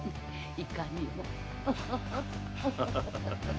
いかにも。